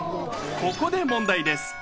ここで問題です。